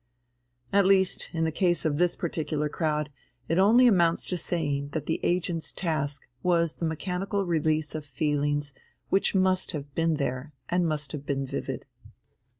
At least, in the case of this particular crowd, it only amounts to saying that the agent's task was the mechanical release of feelings which must have been there and must have been vivid.